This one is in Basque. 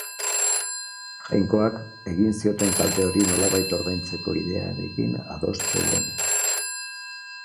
Jainkoak, egin zioten kalte hori nolabait ordaintzeko ideiarekin ados zeuden.